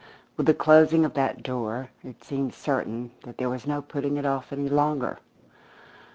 With the closing of that door it seemed certain that there was no putting it off any longer.